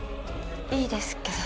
いいですけど